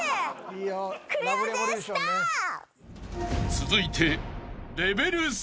［続いて］